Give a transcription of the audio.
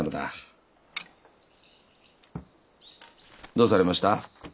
どうされました？